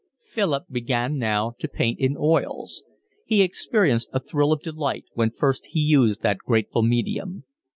Philip began now to paint in oils. He experienced a thrill of delight when first he used that grateful medium.